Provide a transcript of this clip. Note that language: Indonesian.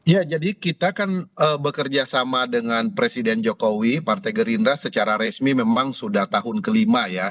ya jadi kita kan bekerja sama dengan presiden jokowi partai gerindra secara resmi memang sudah tahun kelima ya